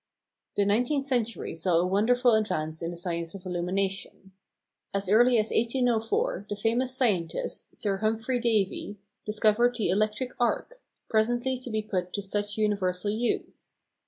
The nineteenth century saw a wonderful advance in the science of illumination. As early as 1804 the famous scientist, Sir Humphrey Davy, discovered the electric arc, presently to be put to such universal use.